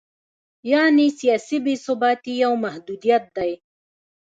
یعنې سیاسي بې ثباتي یو محدودیت دی.